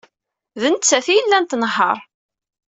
D nettat ay yellan tnehheṛ.